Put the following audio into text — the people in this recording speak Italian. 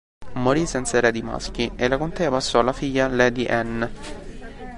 Morì senza eredi maschi e la contea passò alla figlia Lady Anne.